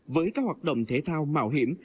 với các hoạt động thể thao mạo hiểm